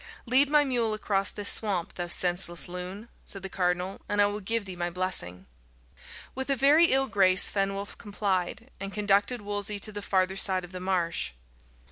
"Lead my mule across this swamp, thou senseless loon," said the cardinal, "and I will give thee my blessing." With a very ill grace Fenwolf complied, and conducted Wolsey to the farther side of the marsh.